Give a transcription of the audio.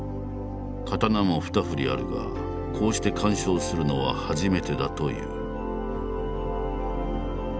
刀も２ふりあるがこうして鑑賞するのは初めてだという。